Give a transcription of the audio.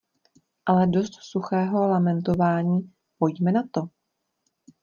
Ale dost suchého lamentování, pojďme na to!!!